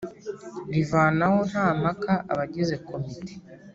rivanaho nta mpaka abagize Komite